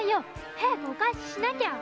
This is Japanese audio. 早くお返ししなきゃ。